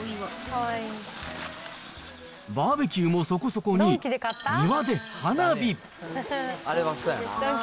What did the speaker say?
バーベキューもそこそこに、庭で花火。